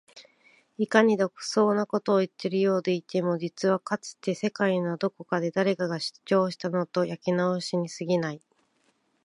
いかに独創的なことを言っているようでいても実はかつて世界のどこかで誰かが主張したことの焼き直しに過ぎない